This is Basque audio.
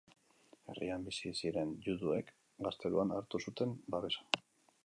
Herrian bizi ziren juduek gazteluan hartu zuten babesa.